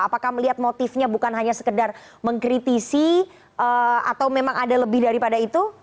apakah melihat motifnya bukan hanya sekedar mengkritisi atau memang ada lebih daripada itu